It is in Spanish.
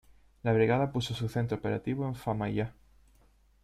La Brigada puso su centro operativo en Famaillá.